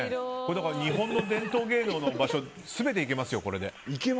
だから日本の伝統芸能の場所全て行けますよ、これで。